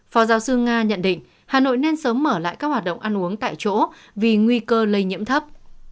phó giáo sư nga nhận định hà nội nên sớm mở lại các hoạt động ăn uống tại chỗ vì nguy cơ lây nhiễm thấp